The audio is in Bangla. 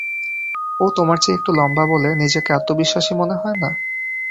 ও তোমার চেয়ে একটু লম্বা বলে, নিজেকে আত্মবিশ্বাসী মনে হয় না?